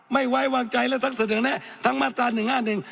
ไม่ไว้วางใจและทั้งเสนอแนะทั้งมาตราหนึ่งห้าหนึ่ง